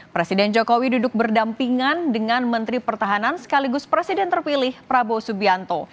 presiden jokowi duduk berdampingan dengan menteri pertahanan sekaligus presiden terpilih prabowo subianto